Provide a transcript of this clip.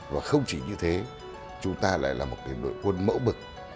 và không chỉ như thế chúng ta lại là một đội quân mẫu mực